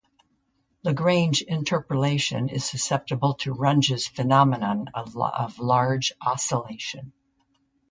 Lagrange interpolation is susceptible to Runge's phenomenon of large oscillation.